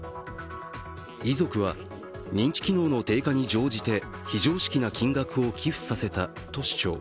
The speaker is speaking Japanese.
遺族は、認知機能の低下に乗じて非常識な金額を寄付させたと主張。